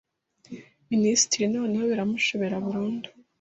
Minisitiri noneho biramushobera burundu